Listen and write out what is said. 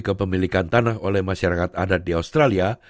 kepemilikan tanah oleh masyarakat adat di australia